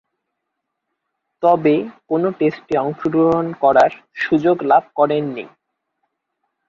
তবে, কোন টেস্টে অংশগ্রহণ করার সুযোগ লাভ করেননি।